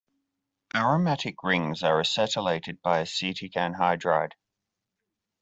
Aromatic rings are acetylated by acetic anhydride.